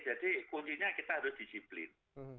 kuncinya kita harus disiplin